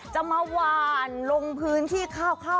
จะมาหวานลงพื้นที่ข้าว